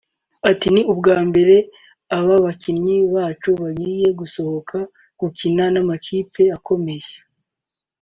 Ati “Ni ubwa mbere aba bakinnyi bacu bagiye gusohoka gukina n’amakipe akomeye